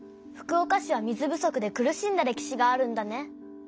福岡市は水不足で苦しんだ歴史があるんだね。